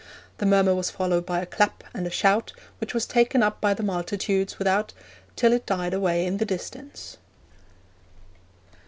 The murmur was followed by a clap and a shout, which was taken up by the multitudes without till it died away in the distance.